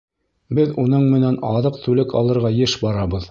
Беҙ уның менән аҙыҡ-түлек алырға йыш барабыҙ.